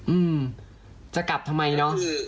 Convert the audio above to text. อืมจะกลับทำไมเนอะ